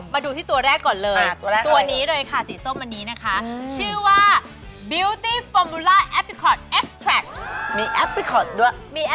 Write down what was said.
มาดูที่ตัวแรกก่อนเลยตัวนี้เลยค่ะสีส้มอันนี้นะคะ